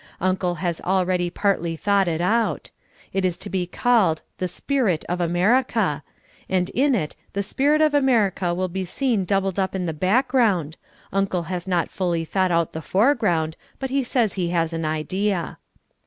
Uncle has already partly thought it out. It is to be called the "Spirit of America" and in it the Spirit of America will be seen doubled up in the background: Uncle has not yet fully thought out the foreground, but he says he has an idea.